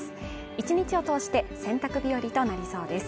１日を通して、洗濯日和となりそうです。